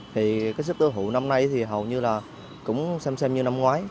thì cái xếp tư hữu năm nay thì hầu như là cũng xem xem như năm ngoái